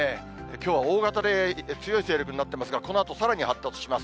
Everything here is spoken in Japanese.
きょうは大型で強い勢力になっていますが、このあとさらに発達します。